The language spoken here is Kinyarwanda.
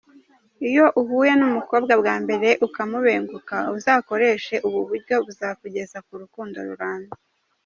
Iyo uhuye n’umukobwa bwa mbere ukamubenguka uzakoreshe ubu buryo buzakugeza ku rukundo rurambye.